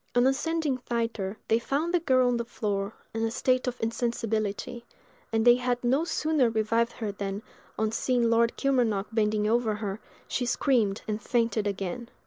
On ascending thither, they found the girl on the floor, in a state of insensibility; and they had no sooner revived her than, on seeing Lord Kilmarnock bending over her, she screamed and fainted again.